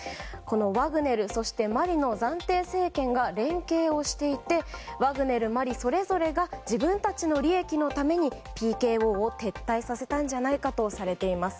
ワグネル、マリの暫定政権が連携をしていてワグネル、マリそれぞれが自分たちの利益のためにＰＫＯを撤退させたんじゃないかとされています。